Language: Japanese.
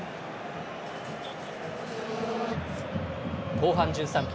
後半１３分。